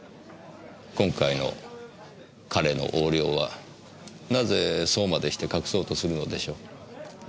今回の彼の横領はなぜそうまでして隠そうとするのでしょう？